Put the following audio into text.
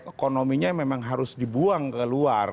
ekonominya memang harus dibuang keluar